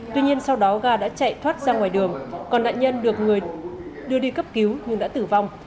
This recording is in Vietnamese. tuy nhiên sau đó ga đã chạy thoát ra ngoài đường còn nạn nhân được đưa đi cấp cứu nhưng đã tử vong